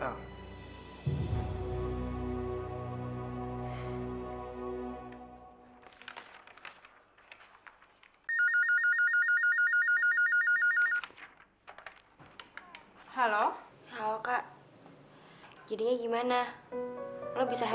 masa dia bakalan meny servicesnya